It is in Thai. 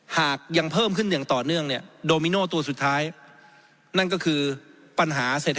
หากยังเพิ่มขึ้นอย่างต่อเนื่องโดมิโนตัวสุดท้าย